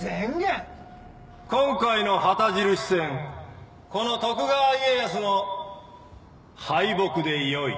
今回の旗印戦この徳川家康の敗北でよい。